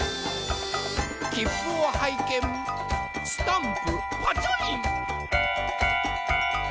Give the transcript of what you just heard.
きっぷをはいけんスタンプパチョリン。